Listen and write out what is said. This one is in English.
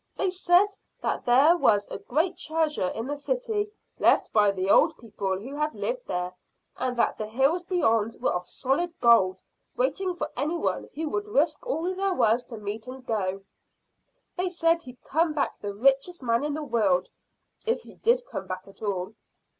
They said that there was a great treasure in the city, left by the old people who had lived there, and that the hills beyond were of solid gold, waiting for any one who would risk all there was to meet and go. They said he'd come back the richest man in the world if he did come back at all."